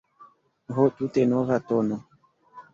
Ho, tute nova tono!